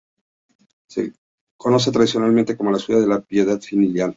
Se conoce tradicionalmente como "La Ciudad de la piedad filial".